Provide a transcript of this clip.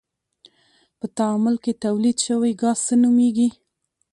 په تعامل کې تولید شوی ګاز څه نومیږي؟